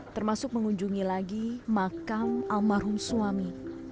termasuk mengunjungi lagi makam almarhum suami